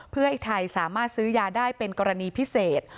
เพื่อให้ไทยสามารถซื้อยาได้เป็นกรณีพิเศษ